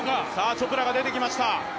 チョプラが出てきました。